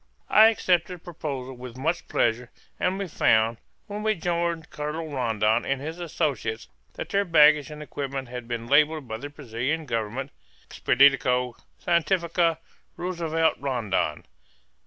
I accepted the proposal with much pleasure; and we found, when we joined Colonel Rondon and his associates, that their baggage and equipment had been labelled by the Brazilian Government "Expedicao Scientifica Roosevelt Rondon."